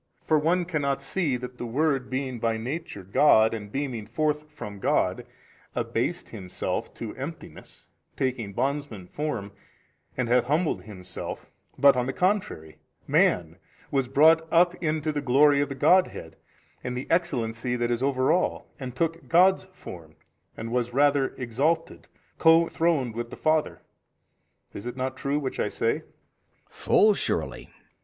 For one cannot |257 see that the Word being by Nature God and beaming forth from God, abased Himself to emptiness, taking bondman's form, and hath humbled Himself, but on the contrary, man was brought up into the glory of the Godhead and the excellency that is over all, and took God's Form and was rather exalted, co throned with the Father: is it not true which I say? B. Full surely.